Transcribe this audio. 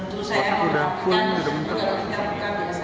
untuk yang belum kembali ke masyarakat indonesia